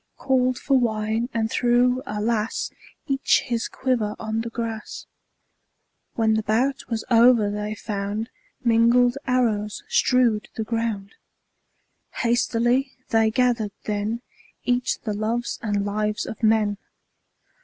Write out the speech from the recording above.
Called for wine, and threw — alas! — Each his quiver on the grass. When the bout was o'er they found Mingled arrows strewed the ground. Hastily they gathered then Each the loves and lives of men.